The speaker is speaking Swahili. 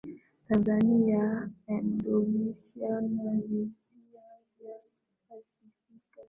Tanzania Indonesia na Visiwa vya Pasifiki sura